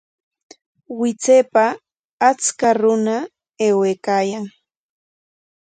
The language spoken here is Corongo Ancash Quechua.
Wichaypa acha runa aywaykaayan